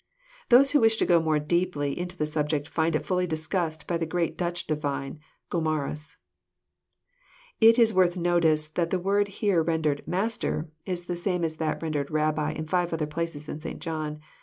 Those who wish to go more deeply into the subject will find It ftiUy discussed by the great Dutch divine, Gomarus. It is worth notice that the word here rendered " Master •* is the same that is rendered " Rabbi " in five other places in St. John.